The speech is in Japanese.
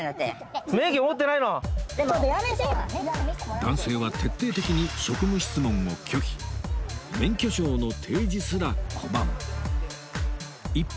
男性は徹底的に職務質問を拒否免許証の提示すら拒む一方